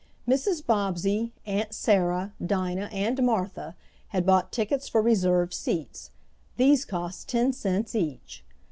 Mrs. Bobbsey, Aunt Sarah, Dinah, and Martha had bought tickets for reserved seats (these cost ten cents each).